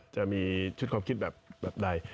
จะมีชุดความคิดแบบใด